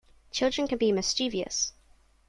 Children can be mischievous.